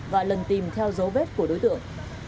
và lần tìm theo dấu vết của đối tượng